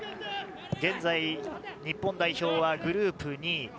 現在、日本代表はグループ２位。